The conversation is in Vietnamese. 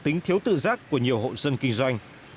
tính thiếu tự giác của nhiều hộ dân kinh doanh